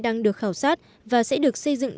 đang được khảo sát và sẽ được xây dựng